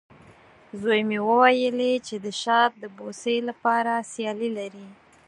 زوی مې وویلې، چې د شات د بوسې لپاره سیالي لري.